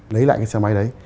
lấy lại cái xe máy đấy